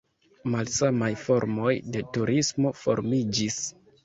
Malsamaj formoj de turismo formiĝis.